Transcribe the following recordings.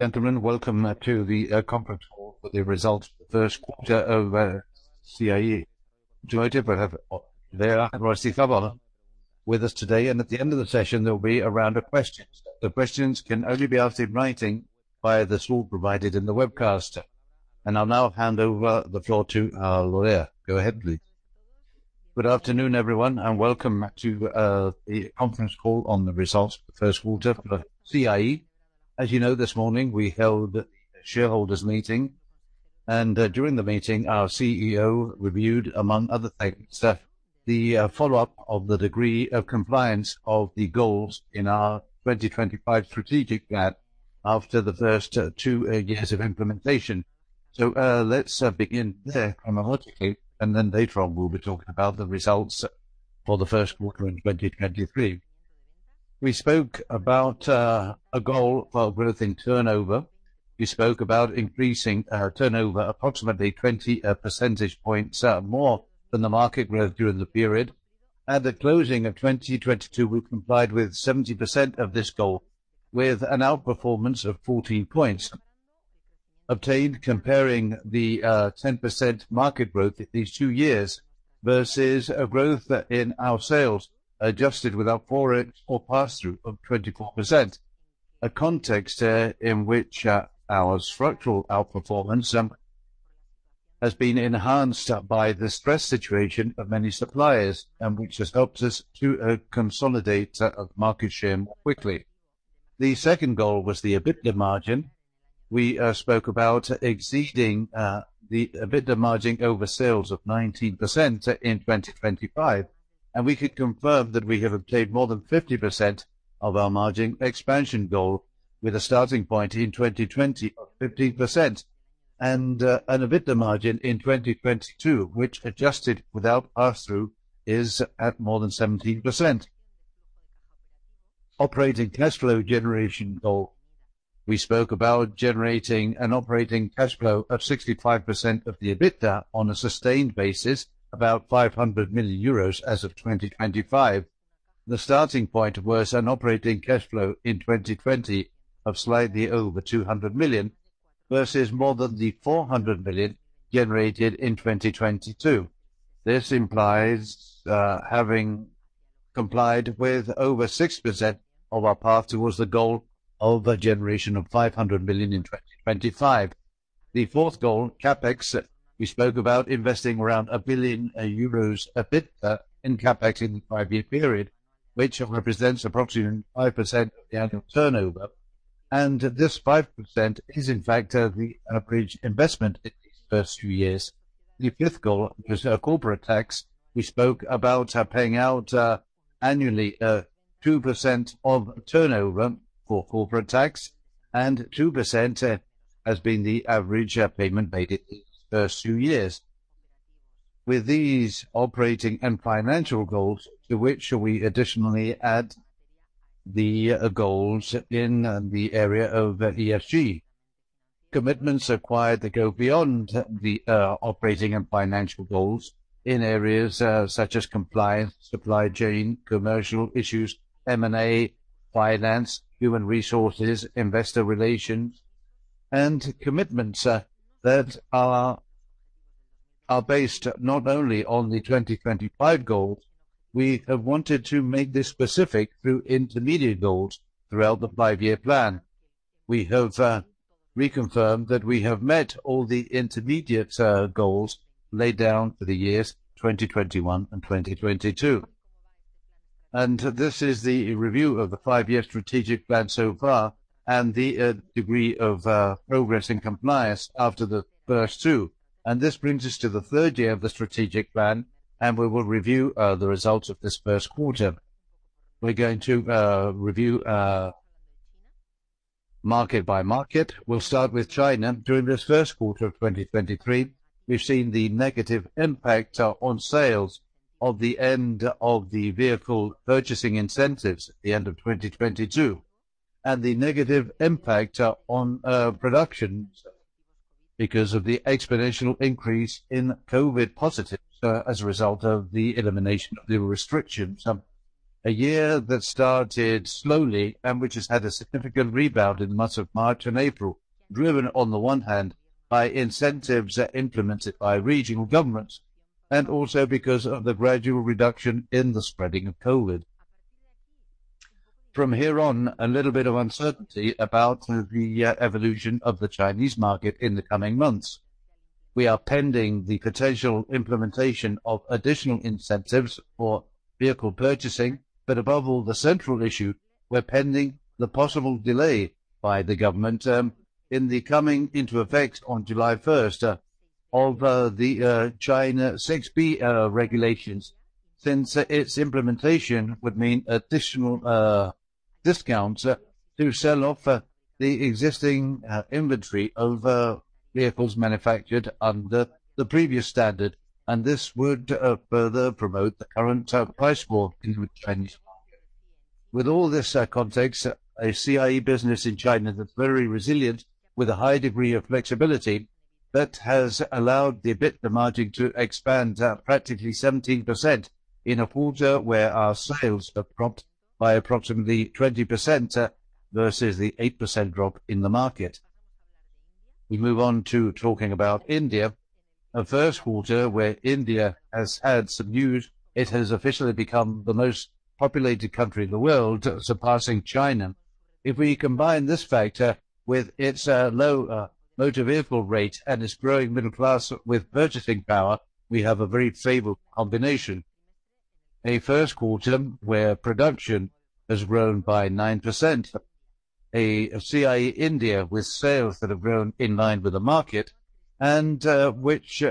Gentlemen, welcome to the conference call for the results for the First Quarter of CIE. With us today, and at the end of the session, there'll be a round of questions. The questions can only be asked in writing via this tool provided in the webcast. I'll now hand over the floor to our lawyer. Go ahead, please. Good afternoon, everyone, and welcome to the Conference Call on the results for the first quarter for CIE. As you know, this morning we held a shareholders meeting. During the meeting, our CEO reviewed, among other things, the follow-up of the degree of compliance of the goals in our 2025 Strategic Plan after the first two years of implementation. Let's begin there chronologically, and then later on we'll be talking about the results for the first quarter in 2023. We spoke about a goal for growth in turnover. We spoke about increasing turnover approximately 20 percentage points more than the market growth during the period. At the closing of 2022, we complied with 70% of this goal, with an outperformance of 14 points obtained comparing the 10% market growth these two years versus a growth in our sales adjusted without forex or pass-through of 24%. A context in which our structural outperformance has been enhanced by the stress situation of many suppliers and which has helped us to consolidate market share more quickly. The second goal was the EBITDA margin. We spoke about exceeding the EBITDA margin over sales of 19% in 2025, and we could confirm that we have obtained more than 50% of our margin expansion goal with a starting point in 2020 of 15% and an EBITDA margin in 2022, which adjusted without pass-through, is at more than 17%. Operating cash flow generation goal. We spoke about generating an operating cash flow of 65% of the EBITDA on a sustained basis, about 500 million euros as of 2025. The starting point was an operating cash flow in 2020 of slightly over 200 million versus more than 400 million generated in 2022. This implies having complied with over 6% of our path towards the goal of a generation of 500 million in 2025. The fourth goal, CapEx. We spoke about investing around 1 billion euros EBITDA in CapEx in the five-year period, which represents approximately 5% of the annual turnover. This 5% is in fact, the average investment in these first two years. The fifth goal was corporate tax. We spoke about paying out annually 2% of turnover for corporate tax, and 2% has been the average payment made in these first two years. With these operating and financial goals, to which we additionally add the goals in the area of ESG. Commitments acquired that go beyond the operating and financial goals in areas such as compliance, supply chain, commercial issues, M&A, finance, human resources, investor relations. Commitments that are based not only on the 2025 goals. We have wanted to make this specific through intermediate goals throughout the five-year plan. We have reconfirmed that we have met all the intermediate goals laid down for the years 2021 and 2022. This is the review of the five-year strategic plan so far and the degree of progress and compliance after the first two. This brings us to the third year of the strategic plan, and we will review the results of this first quarter. We're going to review market-by-market. We'll start with China. During this first quarter of 2023, we've seen the negative impact on sales of the end of the vehicle purchasing incentives at the end of 2022, and the negative impact on production because of the exponential increase in COVID positives as a result of the elimination of the restrictions. A year that started slowly and which has had a significant rebound in the months of March and April, driven, on the one hand, by incentives implemented by regional governments and also because of the gradual reduction in the spreading of COVID. From here on, a little bit of uncertainty about the evolution of the Chinese market in the coming months. We are pending the potential implementation of additional incentives for vehicle purchasing, but above all, the central issue, we're pending the possible delay by the government in the coming into effect on July 1st of the China VI-b regulations, since its implementation would mean additional discounts to sell off the existing inventory of vehicles manufactured under the previous standard. This would further promote the current price war in Chinese market. With all this context, a CIE business in China that's very resilient with a high degree of flexibility. That has allowed the EBITDA margin to expand practically 17% in a quarter where our sales have dropped by approximately 20% versus the 8% drop in the market. We move on to talking about India. A first quarter where India has had some news. It has officially become the most populated country in the world, surpassing China. If we combine this factor with its low motorization rate and its growing middle class with purchasing power, we have a very favorable combination. A first quarter where production has grown by 9%. CIE Automotive India with sales that have grown in-line with the market and which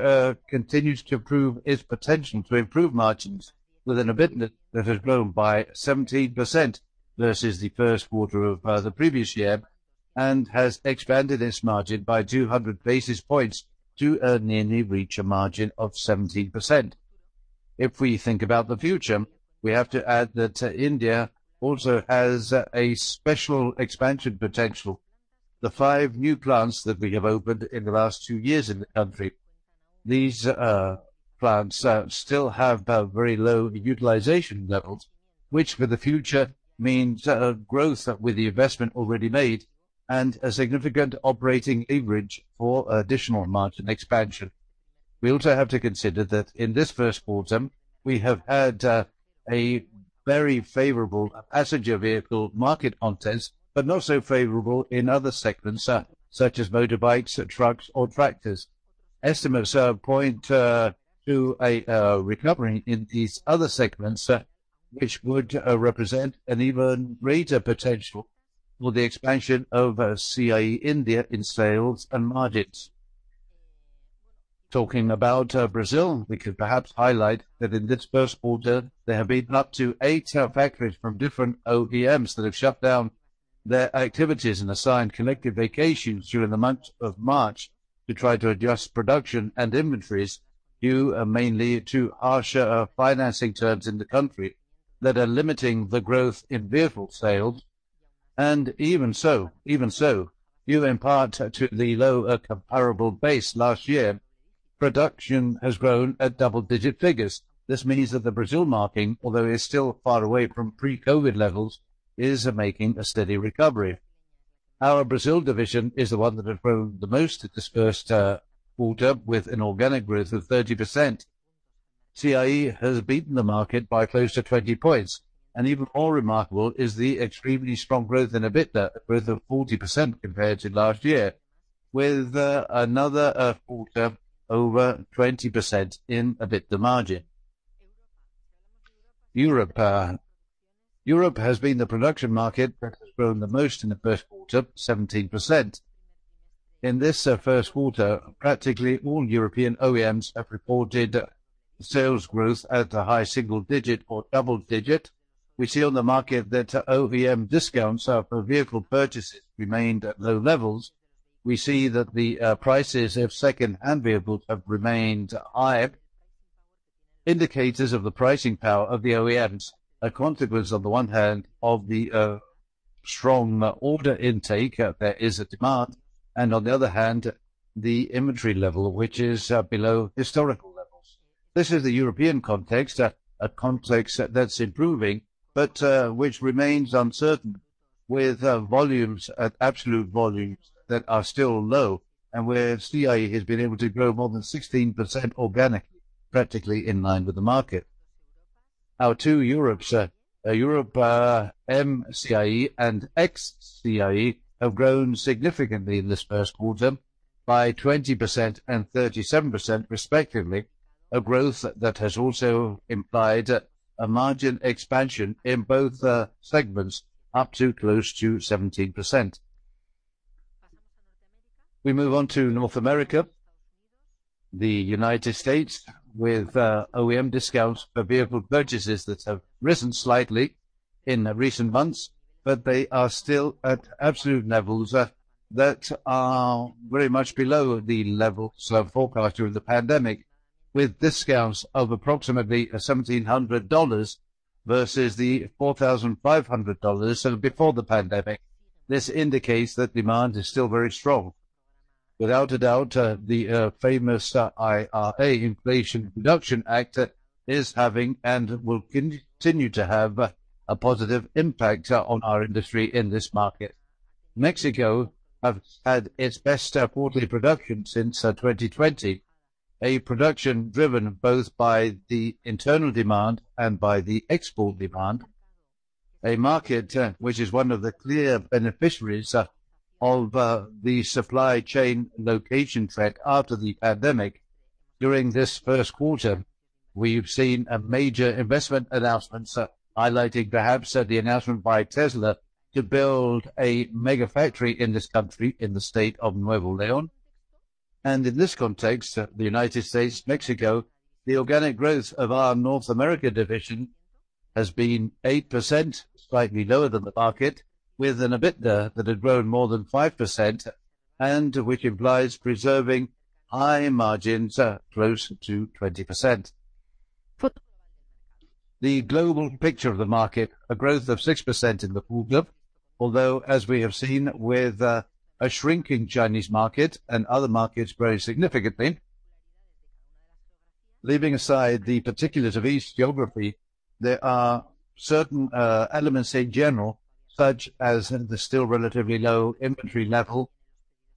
continues to prove its potential to improve margins with an EBITDA that has grown by 17% versus the first quarter of the previous year, and has expanded its margin by 200 basis points to nearly reach a margin of 70%. If we think about the future, we have to add that India also has a special expansion potential. The five new plants that we have opened in the last two years in the country, these plants still have very low utilization levels, which for the future means growth with the investment already made and a significant operating leverage for additional margin expansion. We also have to consider that in this first quarter, we have had a very favorable passenger vehicle market context, but not so favorable in other segments, such as motorbikes, trucks or tractors. Estimates point to a recovery in these other segments, which would represent an even greater potential for the expansion of CIE India in sales and margins. Talking about Brazil, we could perhaps highlight that in this first quarter, there have been up to eight factories from different OEMs that have shut down their activities and assigned collective vacations during the month of March to try to adjust production and inventories due mainly to harsher financing terms in the country that are limiting the growth in vehicle sales. Even so, due in part to the low comparable base last year, production has grown at double-digit figures. This means that the Brazil market, although is still far away from pre-COVID levels, is making a steady recovery. Our Brazil division is the one that has grown the most this first quarter with an organic growth of 30%. CIE has beaten the market by close to 20 points, even more remarkable is the extremely strong growth in EBITDA, a growth of 40% compared to last year, with another quarter over 20% in EBITDA margin. Europe. Europe has been the Production Market that has grown the most in the first quarter, 17%. In this first quarter, practically all European OEMs have reported sales growth at a high single digit or double digit. We see on the market that OEM discounts for vehicle purchases remained at low levels. We see that the prices of second-hand vehicles have remained high. Indicators of the pricing power of the OEMs, a consequence on the one hand of the strong order intake, there is a demand, and on the other hand, the inventory level, which is below historical levels. This is the European context, a context that's improving, but which remains uncertain with volumes at absolute volumes that are still low and where CIE has been able to grow more than 16% organically, practically in line with the market. Our two Europes, Europe, MCIE and XCIE, have grown significantly in this first quarter by 20% and 37% respectively, a growth that has also implied a margin expansion in both segments up to close to 17%. We move on to North America, the United States, with OEM discounts for vehicle purchases that have risen slightly in recent months. They are still at absolute levels that are very much below the levels forecasted during the pandemic, with discounts of approximately $1,700 versus the $4,500 of before the pandemic. This indicates that demand is still very strong. Without a doubt, the famous IRA, Inflation Reduction Act, is having and will continue to have a positive impact on our industry in this market. Mexico has had its best quarterly production since 2020. A production driven both by the internal demand and by the export demand. A market which is one of the clear beneficiaries of the supply chain location trend after the pandemic. During this first quarter, we've seen a major investment announcement, highlighting perhaps, the announcement by Tesla to build a mega factory in this country in the state of Nuevo León. In this context, the United States, Mexico, the organic growth of our North America division has been 8%, slightly lower than the market, with an EBITDA that had grown more than 5% and which implies preserving high margins, close to 20%. The global picture of the market, a growth of 6% in the quarter. Although, as we have seen with, a shrinking Chinese market and other markets very significantly. Leaving aside the particulars of each geography, there are certain elements in general, such as the still relatively low inventory level,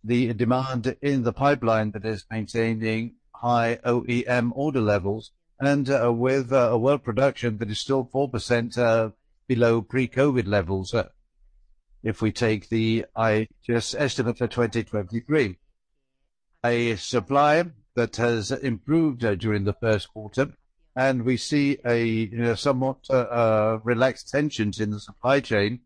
the demand in the pipeline that is maintaining high OEM order levels, with world production that is still 4% below pre-COVID levels. If we take the IHS estimate for 2023. A supply that has improved during the first quarter, we see a somewhat relaxed tensions in the supply chain.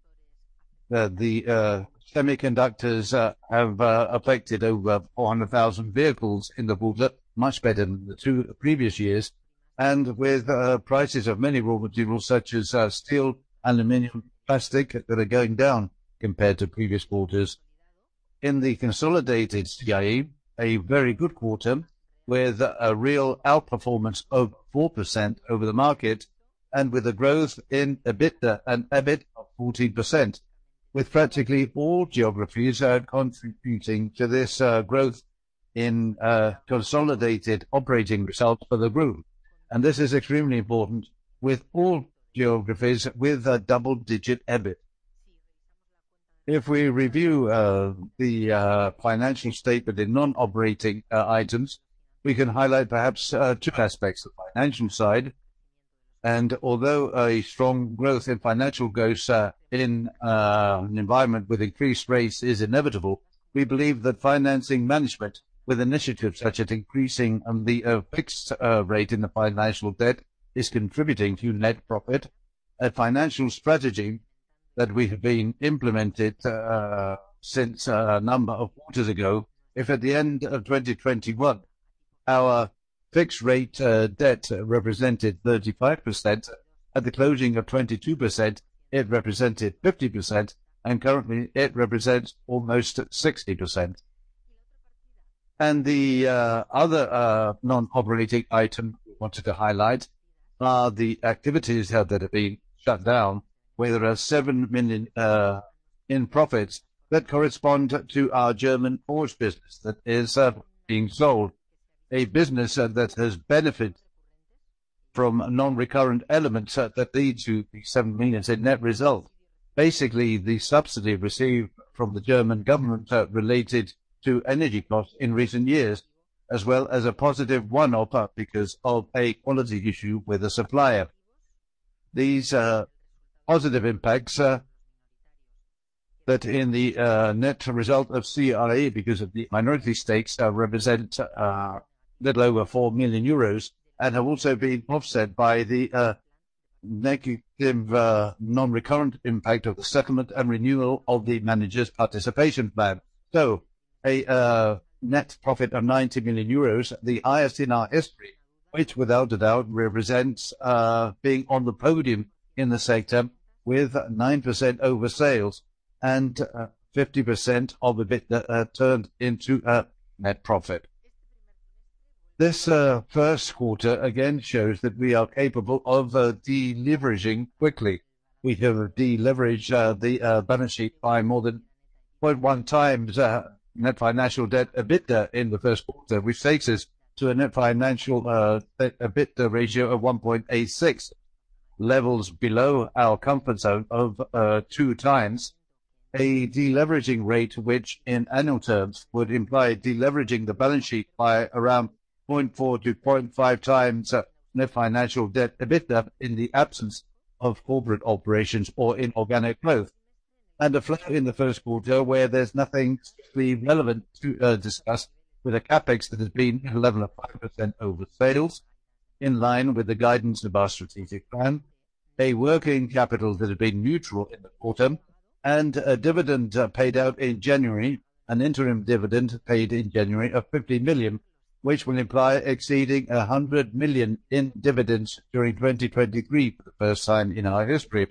The semiconductors have affected over 400,000 vehicles in the quarter, much better than the 2 previous years. With prices of many raw materials such as steel, aluminum, plastic that are going down compared to previous quarters. In the consolidated CIE, a very good quarter with a real outperformance of 4% over the market and with a growth in EBITDA and EBIT of 14%, with practically all geographies are contributing to this growth in consolidated operating results for the group. This is extremely important with all geographies with a double-digit EBIT. If we review the financial statement in non-operating items, we can highlight perhaps two aspects of the financial side. Although a strong growth in financial growth in an environment with increased rates is inevitable, we believe that financing management with initiatives such as increasing the fixed rate in the financial debt is contributing to net profit. A financial strategy that we have been implemented since a number of quarters ago. If at the end of 2021, our fixed rate debt represented 35%, at the closing of 22%, it represented 50%, and currently it represents almost 60%. The other non-operating item we wanted to highlight are the activities that have been shut down, where there are 7 million in profits that correspond to our German forge business that is being sold. A business that has benefited from non-recurrent elements that lead to the 7 million in net result. Basically, the subsidy received from the German government related to energy costs in recent years, as well as a positive one-off because of a quality issue with a supplier. These positive impacts that in the net result of CIE because of the minority stakes represent little over 4 million euros and have also been offset by the negative non-recurrent impact of the settlement and renewal of the managers' participation plan. A net profit of 90 million euros, the highest in our history, which without a doubt represents being on the podium in the sector with 9% over sales and 50% of EBITDA turned into a net profit. This first quarter again shows that we are capable of deleveraging quickly. We have deleveraged the balance sheet by more than 0.1x Net financial debt EBITDA in the first quarter, which takes us to a Net financial EBITDA ratio of 1.86, levels below our comfort zone of 2x. A deleveraging rate which in annual terms would imply deleveraging the balance sheet by around 0.4x-0.5x Net financial debt EBITDA in the absence of corporate operations or inorganic growth. A flow in the first quarter where there's nothing specifically relevant to discuss with a CapEx that has been at a level of 5% over sales, in line with the guidance of our strategic plan. A working capital that has been neutral in the quarter, and a dividend paid out in January, an interim dividend paid in January of 50 million, which will imply exceeding 100 million in dividends during 2023 for the first time in our history.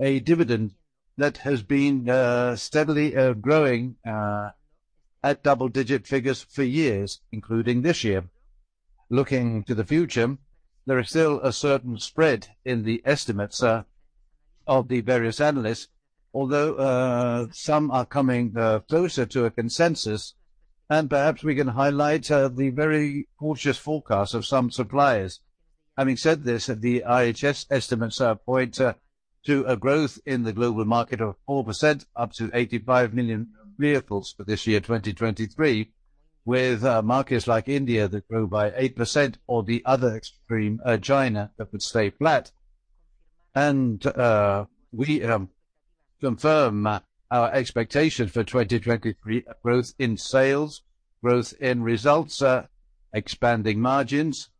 A dividend that has been steadily growing at double-digit figures for years, including this year. Looking to the future, there is still a certain spread in the estimates of the various analysts. Although some are coming closer to a consensus, and perhaps we can highlight the very cautious forecast of some suppliers. Having said this, the IHS estimates point to a growth in the global market of 4% up to 85 million vehicles for this year, 2023, with markets like India that grow by 8% or the other extreme, China that would stay flat. We confirm our expectation for 2023, a growth in sales, growth in results, expanding margins,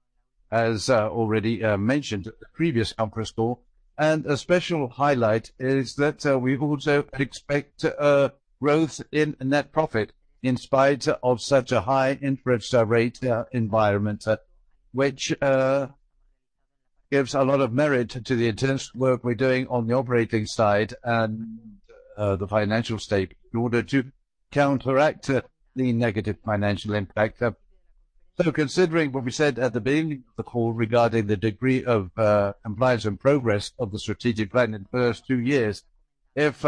as already mentioned at the previous conference call. A special highlight is that we also expect growth in net profit in spite of such a high interest rate environment, which gives a lot of merit to the intense work we're doing on the operating side and the financial statement in order to counteract the negative financial impact. Considering what we said at the beginning of the call regarding the degree of compliance and progress of the strategic plan in the first two years, if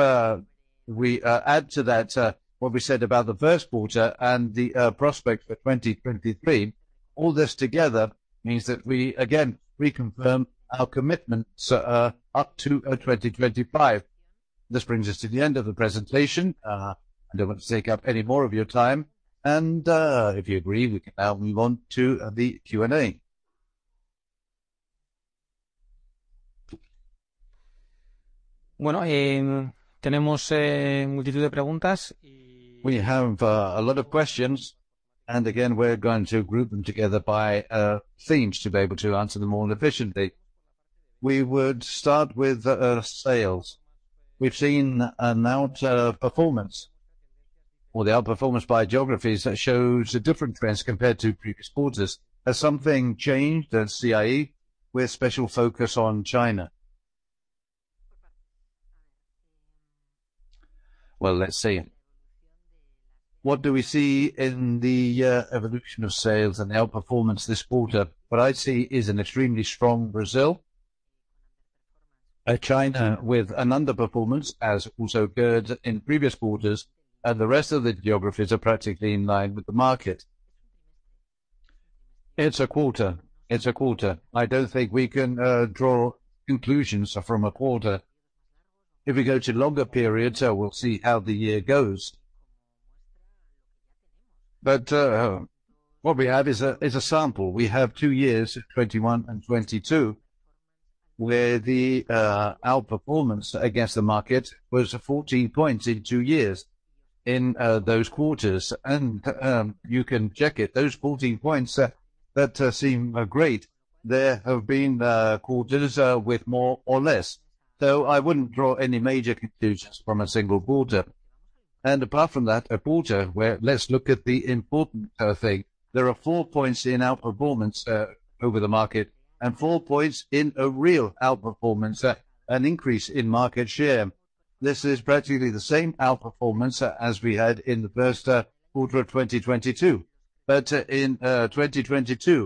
we add to that what we said about the first quarter and the prospects for 2023, all this together means that we again reconfirm our commitment up to 2025. This brings us to the end of the presentation. I don't want to take up any more of your time. If you agree, we can now move on to the Q&A. Well, we have a multitude of questions. We have a lot of questions. We're going to group them together by themes to be able to answer them all efficiently. We would start with sales. We've seen an outperformance by geographies that shows different trends compared to previous quarters. Has something changed at CIE with special focus on China? Well, let's see. What do we see in the evolution of sales and outperformance this quarter? What I see is an extremely strong Brazil. A China with an underperformance, as also occurred in previous quarters. The rest of the geographies are practically in line with the market. It's a quarter. I don't think we can draw conclusions from a quarter. If we go to longer periods, we'll see how the year goes. What we have is a sample. We have two years, 2021 and 2022, where the outperformance against the market was 14 points in two years in those quarters. You can check it, those 14 points that seem great. There have been quarters with more or less. I wouldn't draw any major conclusions from a single quarter. Apart from that, a quarter where let's look at the important thing. There are four points in outperformance over the market and four points in a real outperformance, an increase in market share. This is practically the same outperformance as we had in the first quarter of 2022. Well, let's see. What do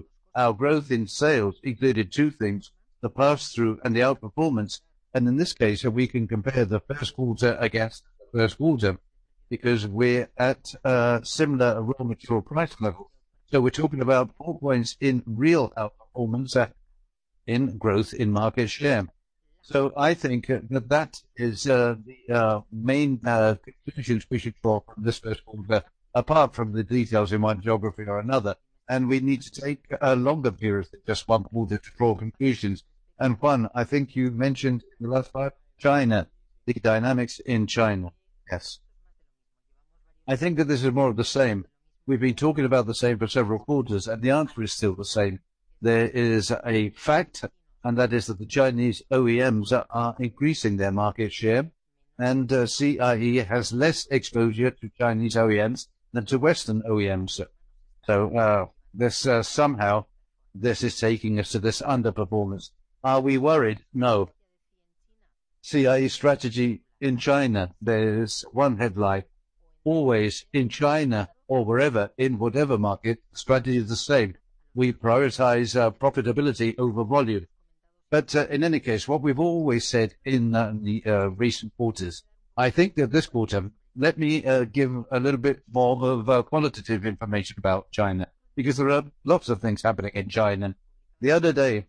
we see in the evolution of sales and outperformance this quarter? What I see is an extremely strong Brazil. A China with an underperformance, as also occurred in previous quarters. The rest of the geographies are practically in line with the market. It's a quarter. There is a fact, that is that the Chinese OEMs are increasing their market share, CIE has less exposure to Chinese OEMs than to Western OEMs. This somehow this is taking us to this underperformance. Are we worried? No. CIE strategy in China, there is one headline. Always in China or wherever, in whatever market, strategy is the same. We prioritize profitability over volume. In any case, what we've always said in the recent quarters, I think that this quarter, let me give a little bit more of qualitative information about China, because there are lots of things happening in China. The other day,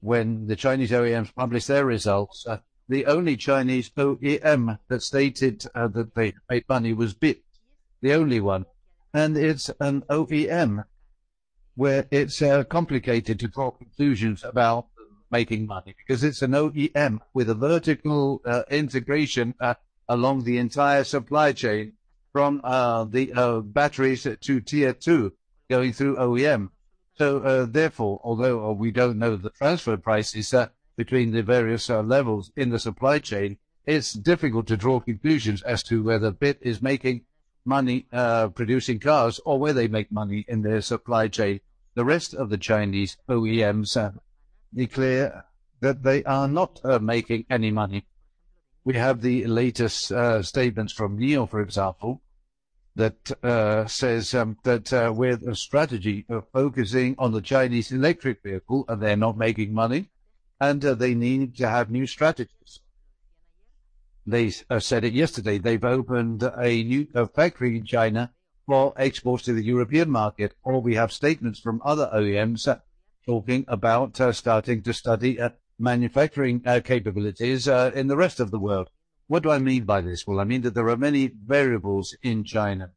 when the Chinese OEMs published their results, the only Chinese OEM that stated that they made money was BYD, the only one. It's an OEM where it's complicated to draw conclusions about making money because it's an OEM with a vertical integration along the entire supply chain from the batteries to tier two going through OEM. Therefore, although we don't know the transfer prices between the various levels in the supply chain, it's difficult to draw conclusions as to whether BYD is making money producing cars or where they make money in their supply chain. The rest of the Chinese OEMs declare that they are not making any money. We have the latest statements from NIO, for example, that says that with a strategy of focusing on the Chinese electric vehicle, and they're not making money, and they need to have new strategies. They said it yesterday. They've opened a new factory in China for exports to the European market. We have statements from other OEMs talking about starting to study manufacturing capabilities in the rest of the world. What do I mean by this? Well, I mean that there are many variables in China.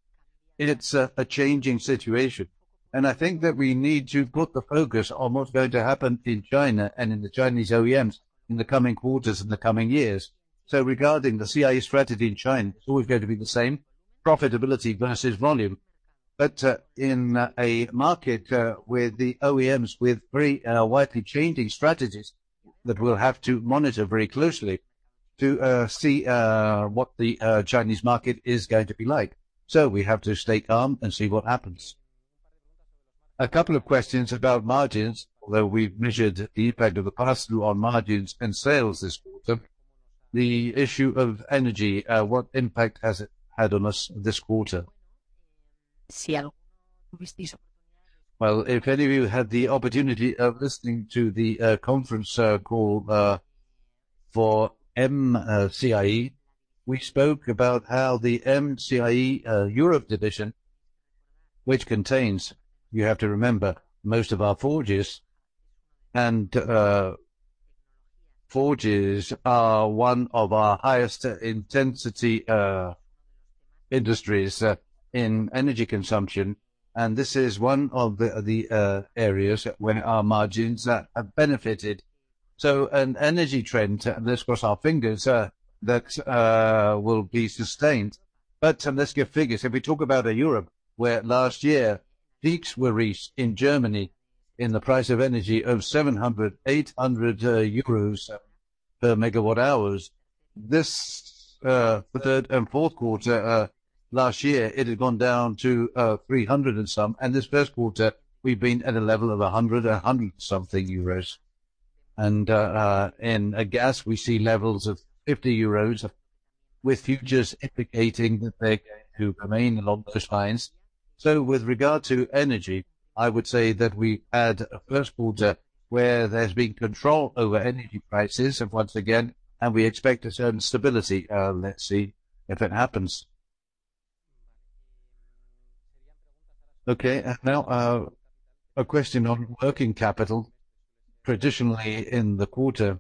It's a changing situation, and I think that we need to put the focus on what's going to happen in China and in the Chinese OEMs in the coming quarters, in the coming years. Regarding the CIE strategy in China, it's always going to be the same, profitability versus volume. In a market with the OEMs with very widely changing strategies that we'll have to monitor very closely to see what the Chinese market is going to be like. We have to stay calm and see what happens. A couple of questions about margins. Although we've measured the impact of the pass-through on margins and sales this quarter. The issue of energy, what impact has it had on us this quarter? If any of you had the opportunity of listening to the conference call for MCIE, we spoke about how the MCIE Europe division, which contains, you have to remember, most of our forges, and forges are one of our highest intensity industries in energy consumption, and this is one of the areas where our margins have benefited. An energy trend, let's cross our fingers that will be sustained. Let's give figures. If we talk about Europe, where last year peaks were reached in Germany in the price of energy of 700 euros- 800 euros per MWh. This third and fourth quarter last year, it had gone down to 300 and some. This first quarter, we've been at a level of 100-100 and something EUR. In gas, we see levels of 50 euros with futures implicating that they're going to remain along those lines. With regard to energy, I would say that we had a first quarter where there's been control over energy prices once again, and we expect a certain stability. Let's see if it happens. Okay. Now, a question on working capital. Traditionally in the quarter,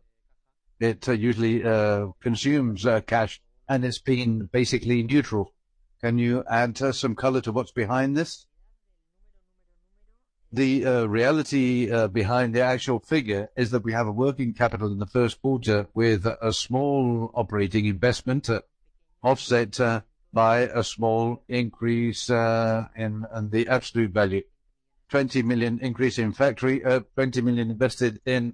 it usually consumes cash, and it's been basically neutral. Can you add some color to what's behind this? The reality behind the actual figure is that we have a working capital in the first quarter with a small operating investment offset by a small increase in the absolute value. 20 million increase in factoring, 20 million invested in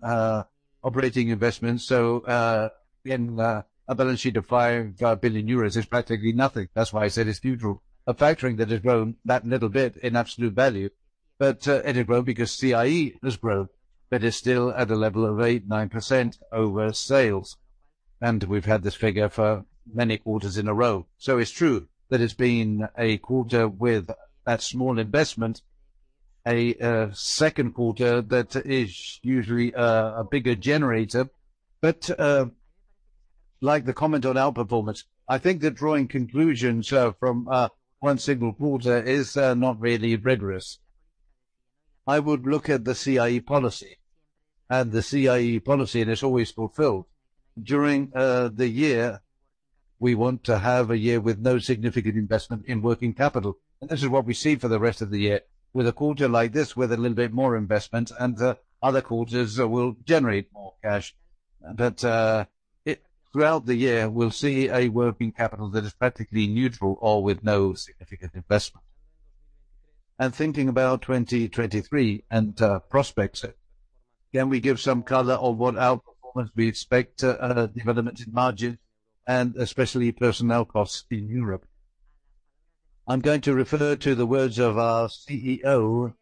operating investments. In a balance sheet of 5 billion euros is practically nothing. That's why I said it's neutral. A factoring that has grown that little bit in absolute value, but it grew because CIE has grown, but it's still at a level of 8%, 9% over sales. We've had this figure for many quarters in a row. It's true that it's been a quarter with that small investment, a second quarter that is usually a bigger generator. Like the comment on outperformance, I think that drawing conclusions from one single quarter is not really rigorous. I would look at the CIE policy, and it's always fulfilled. During the year, we want to have a year with no significant investment in working capital. This is what we see for the rest of the year, with a quarter like this, with a little bit more investment, and the other quarters will generate more cash. Throughout the year, we'll see a working capital that is practically neutral or with no significant investment. Thinking about 2023 and prospects, can we give some color on what outperformance we expect, developments in margins, and especially personnel costs in Europe? I'm going to refer to the words of our CEO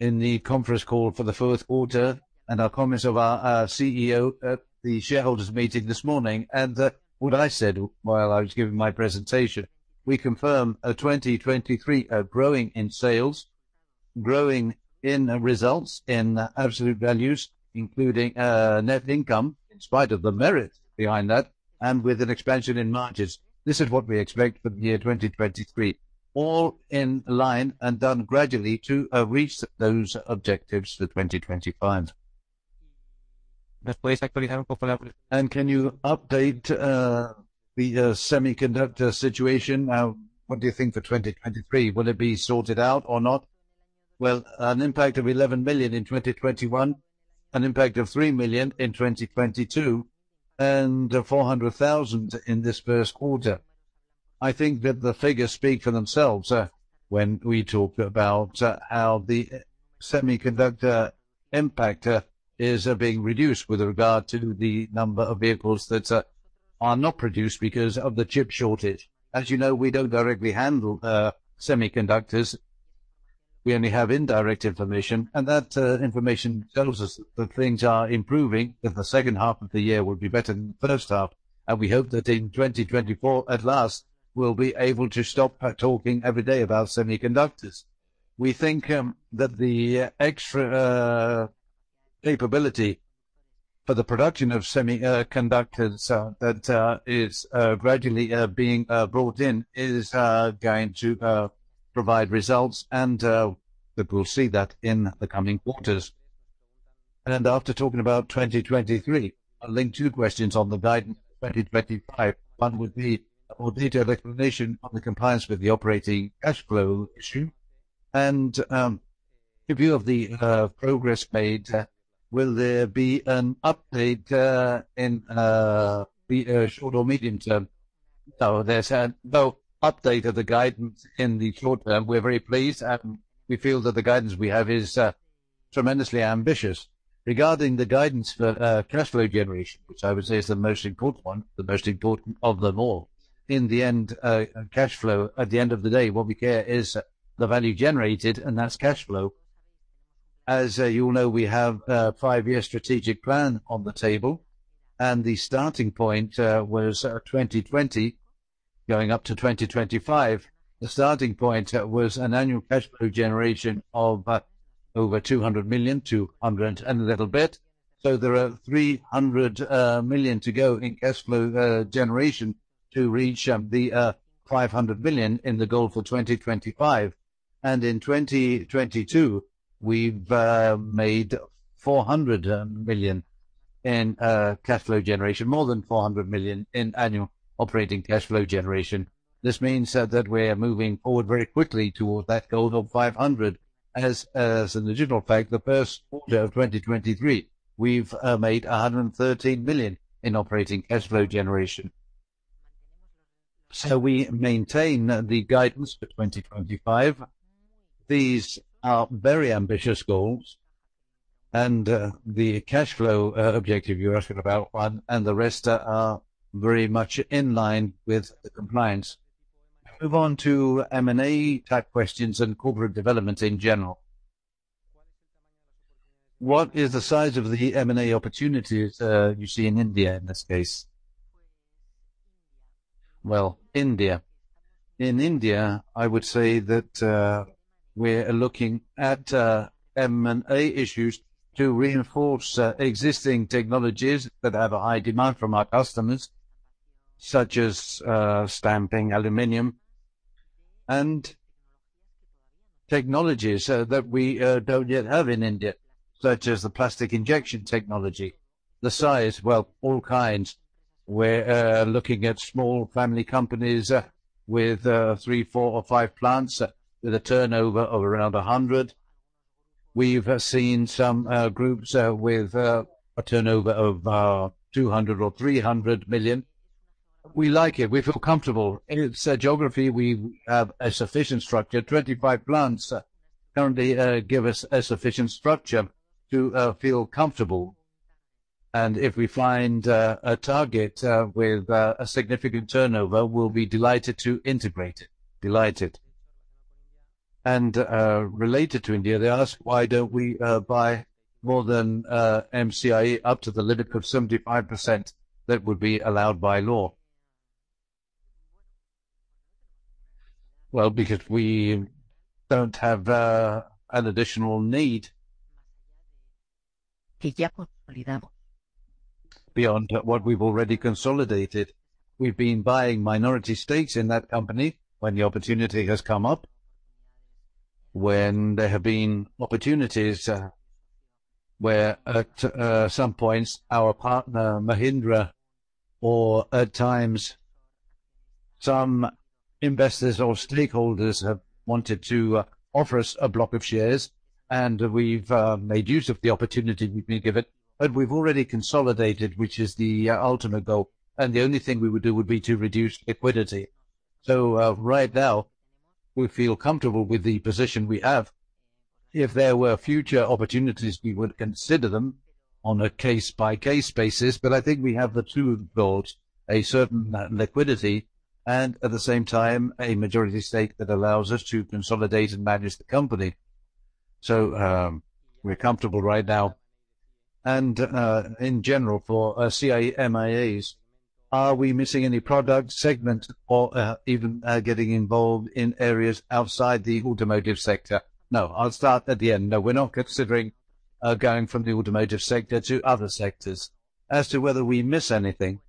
in the conference call for the fourth quarter and our comments of our CEO at the shareholders meeting this morning, and what I said while I was giving my presentation. We confirm 2023 growing in sales, growing in results in absolute values, including net income, in spite of the merit behind that, and with an expansion in margins. This is what we expect for the year 2023. All in line and done gradually to reach those objectives to 2025. Can you update the semiconductor situation? What do you think for 2023? Will it be sorted out or not? Well, an impact of 11 million in 2021, an impact of 3 million in 2022, and 400,000 in this first quarter. I think that the figures speak for themselves, when we talk about how the semiconductor impact is being reduced with regard to the number of vehicles that are not produced because of the chip shortage. As you know, we don't directly handle semiconductors. We only have indirect information, and that information tells us that things are improving, that the second half of the year will be better than the first half, and we hope that in 2024, at last, we'll be able to stop talking every day about semiconductors. We think that the extra capability for the production of semiconductors that is gradually being brought in is going to provide results and that we'll see that in the coming quarters. After talking about 2023, I'll link two questions on the guidance of 2025. One would be a more detailed explanation on the compliance with the operating cash flow issue and a view of the progress made. Will there be an update in the short or medium term? No, there's no update of the guidance in the short term. We're very pleased, and we feel that the guidance we have is tremendously ambitious. Regarding the guidance for cash flow generation, which I would say is the most important one, the most important of them all. In the end, cash flow, at the end of the day, what we care is the value generated, and that's cash flow. You all know, we have a five-year strategic plan on the table, and the starting point was 2020 going up to 2025. The starting point was an annual cash flow generation of over 200 million, 200 million and a little bit. There are 300 million to go in cash flow generation to reach the 500 million in the goal for 2025. In 2022, we've made 400 million in cash flow generation, more than 400 million in annual Operating Cash Flow generation. This means that we're moving forward very quickly towards that goal of 500 million. As an additional fact, the first quarter of 2023, we've made 113 million in Operating Cash Flow generation. We maintain the guidance for 2025. These are very ambitious goals and the cash flow objective you're asking about and the rest are very much in line with the compliance. Move on to M&A type questions and corporate development in general. What is the size of the M&A opportunities you see in India in this case? India. In India, I would say that we're looking at M&A issues to reinforce existing technologies that have a high demand from our customers, such as aluminum stamping and technologies that we don't yet have in India, such as the plastic injection molding. The size, all kinds. We're looking at small family companies, with three, four or five plants with a turnover of around 100 million. We've seen some groups, with a turnover of 200 million or 300 million. We like it. We feel comfortable. In its geography, we have a sufficient structure. 25 plants currently give us a sufficient structure to feel comfortable. If we find a target, with a significant turnover, we'll be delighted to integrate it. Delighted. Related to India, they ask why don't we buy more than MCIE up to the limit of 75% that would be allowed by law. Well, because we don't have an additional need beyond what we've already consolidated. We've been buying minority stakes in that company when the opportunity has come up, when there have been opportunities, where at some points our partner Mahindra or at times some investors or stakeholders have wanted to offer us a block of shares and we've made use of the opportunity we've been given. We've already consolidated, which is the ultimate goal, and the only thing we would do would be to reduce liquidity. Right now, we feel comfortable with the position we have. If there were future opportunities, we would consider them on a case-by-case basis. I think we have the two goals, a certain liquidity and at the same time a majority stake that allows us to consolidate and manage the company. We're comfortable right now. In general, for CIE Automotive, are we missing any product segment or even getting involved in areas outside the automotive sector? No. I'll start at the end. No, we're not considering going from the automotive sector to other sectors. As to whether we miss anything,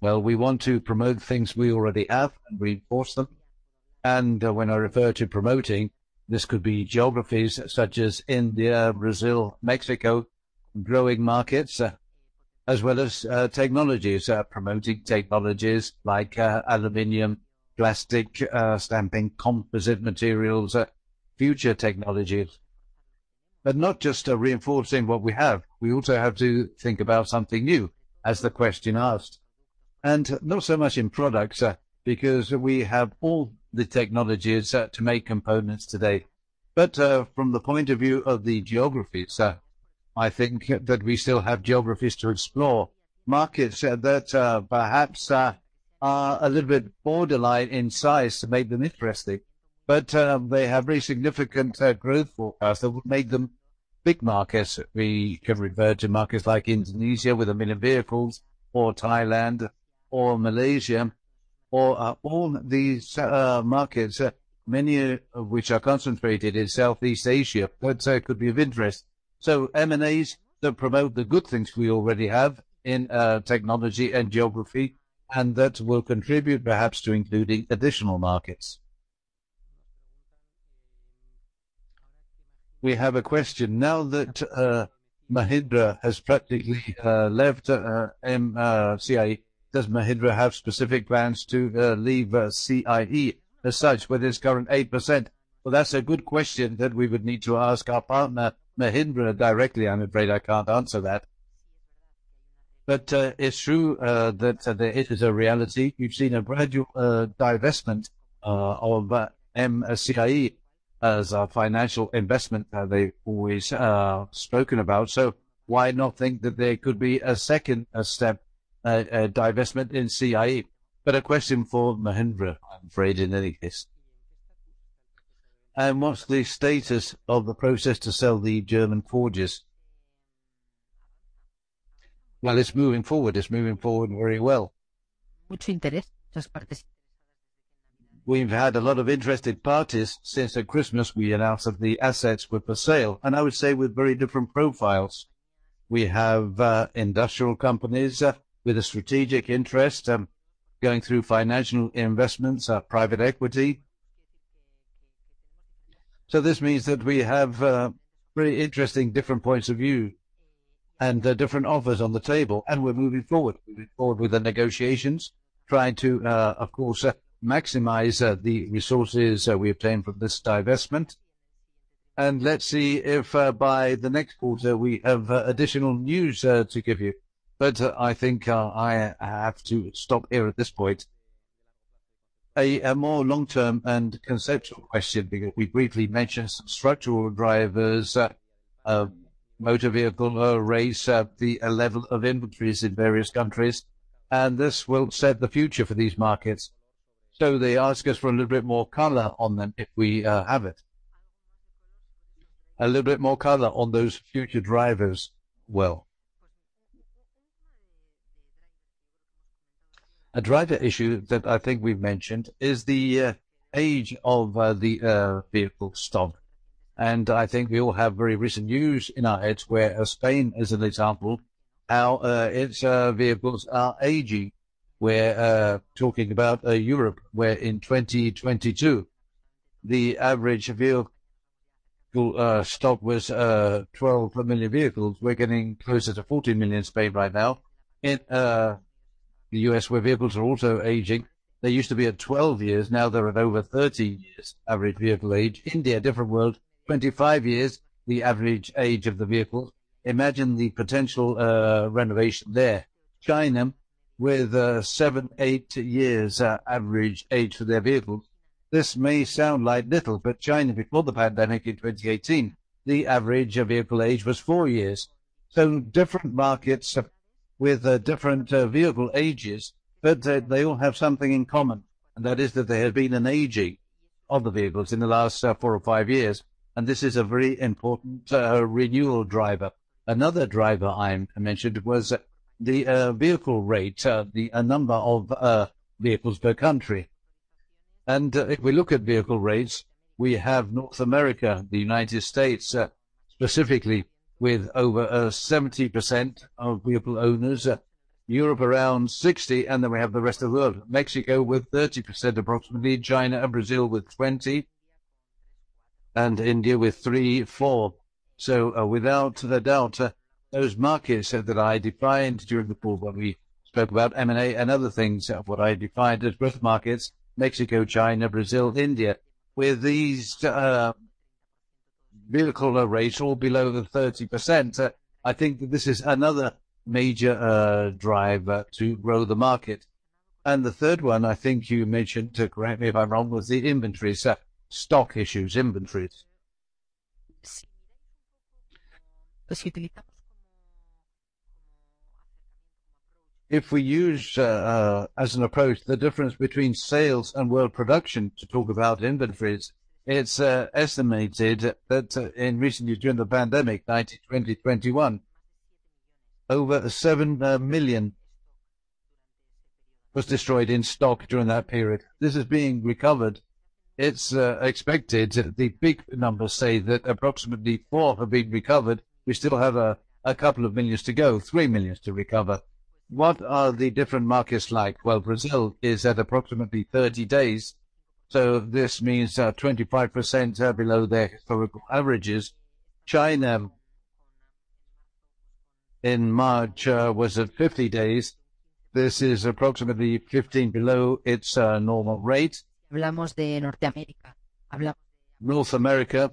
well, we want to promote things we already have and reinforce them. When I refer to promoting, this could be geographies such as India, Brazil, Mexico, growing markets, as well as technologies. Promoting technologies like aluminum, plastic, stamping, composite materials, future technologies. Not just reinforcing what we have, we also have to think about something new, as the question asked. Not so much in products, because we have all the technologies to make components today. From the point of view of the geographies, I think that we still have geographies to explore. Markets that, perhaps, are a little bit borderline in size to make them interesting, but they have very significant growth for us that would make them big markets. We can refer to markets like Indonesia with 1 million vehicles or Thailand or Malaysia or all these markets, many of which are concentrated in Southeast Asia, but could be of interest. M&As that promote the good things we already have in technology and geography, and that will contribute perhaps to including additional markets. We have a question. Now that Mahindra has practically left M, CIE, does Mahindra have specific plans to leave CIE as such with its current 8%? Well, that's a good question that we would need to ask our partner Mahindra directly. I'm afraid I can't answer that. It's true that it is a reality. We've seen a gradual divestment of MCIE as a financial investment they've always spoken about. Why not think that there could be a second step, a divestment in CIE. A question for Mahindra, I'm afraid, in any case. What's the status of the process to sell the German forges? Well, it's moving forward. It's moving forward very well. We've had a lot of interested parties since at Christmas we announced that the assets were for sale, and I would say with very different profiles. We have industrial companies with a strategic interest, going through financial investments, private equity. This means that we have very interesting different points of view and different offers on the table, and we're moving forward. We're moving forward with the negotiations, trying to, of course, maximize the resources we obtain from this divestment. Let's see if by the next quarter we have additional news to give you. I think I have to stop here at this point. A more long-term and conceptual question, because we briefly mentioned some structural drivers, motorization rate, the level of inventories in various countries, and this will set the future for these markets. They ask us for a little bit more color on them if we have it. A little bit more color on those future drivers. Well... A driver issue that I think we've mentioned is the age of the vehicle stock. I think we all have very recent news in our heads where Spain, as an example, how its vehicles are aging. We're talking about Europe, where in 2022, the average vehicle stock was 12 million vehicles. We're getting closer to 40 million in Spain right now. In the US, where vehicles are also aging, they used to be at 12 years, now they're at over 13 years average vehicle age. India, different world, 25 years, the average age of the vehicles. China with 7, 8 years average age for their vehicles. This may sound like little, but China before the pandemic in 2018, the average of vehicle age was four years. Different markets with different vehicle ages, but they all have something in common, and that is that there has been an aging of the vehicles in the last four or five years, and this is a very important renewal driver. Another driver I mentioned was the vehicle rate, the number of vehicles per country. If we look at vehicle rates, we have North America, the United States, specifically with over 70% of vehicle owners, Europe around 60, then we have the rest of the world, Mexico with 30% approximately, China and Brazil with 20, and India with three, four. Without a doubt, those markets that I defined during the call when we spoke about M&A and other things, what I defined as growth markets, Mexico, China, Brazil, India, with these vehicle rate all below 30%, I think this is another major driver to grow the market. The third one I think you mentioned, correct me if I'm wrong, was the inventories, stock issues, inventories. If we use as an approach the difference between sales and world production to talk about inventories, it's estimated that in recently during the pandemic, 2019-2021, over 7 million was destroyed in stock during that period. This is being recovered. It's expected, the big numbers say that approximately four have been recovered. We still have a couple of millions to go, 3 millions to recover. What are the different markets like? Well, Brazil is at approximately 30 days, so this means 25% below their historical averages. China in March was at 50 days. This is approximately 15 below its normal rate. North America,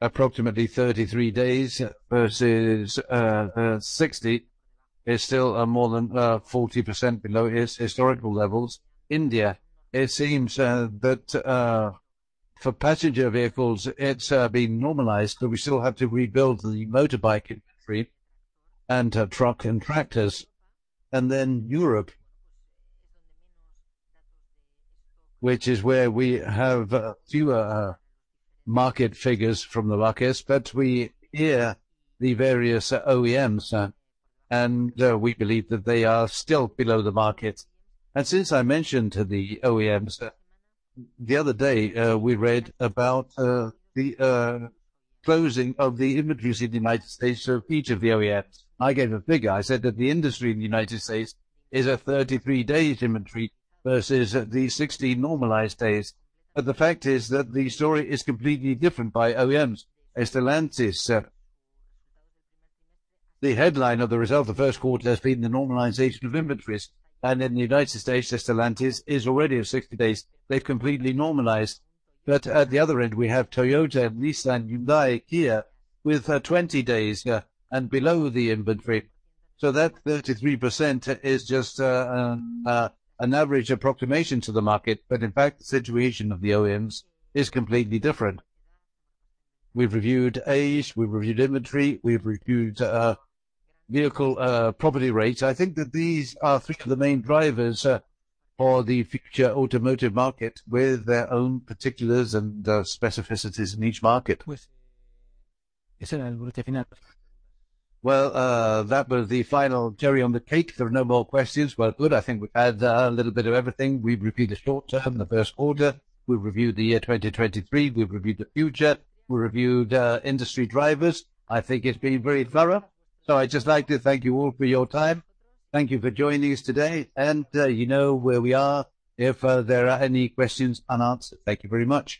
approximately 33 days versus 60, is still more than 40% below its historical levels. India, it seems that for passenger vehicles, it's been normalized, but we still have to rebuild the motorbike inventory and truck and tractors. Europe. Which is where we have fewer market figures from the markets, but we hear the various OEMs, and we believe that they are still below the market. Since I mentioned the OEMs, the other day, we read about the closing of the inventories in the United States of each of the OEMs. I gave a figure. I said that the industry in the United States is a 33 days inventory versus the 60 normalized days. The fact is that the story is completely different by OEMs. Stellantis. The headline of the result of first quarter has been the normalization of inventories. In the United States, Stellantis is already at 60 days. They've completely normalized. At the other end, we have Toyota, Nissan, Hyundai, Kia, with 20 days and below the inventory. That 33% is just an average approximation to the market. In fact, the situation of the OEMs is completely different. We've reviewed age, we've reviewed inventory, we've reviewed vehicle property rates. I think that these are three of the main drivers for the future automotive market with their own particulars and specificities in each market. Well, that was the final cherry on the cake. There are no more questions. Well, good. I think we've had a little bit of everything. We've reviewed the short term, the first quarter. We've reviewed the year 2023. We've reviewed the future. We reviewed industry drivers. I think it's been very thorough. I'd just like to thank you all for your time. Thank you for joining us today, you know where we are if there are any questions unanswered. Thank you very much.